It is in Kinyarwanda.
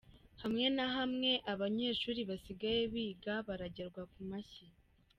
Hamwe na hamwe abanyeshuli basigaye biga baragerwa ku mashyi.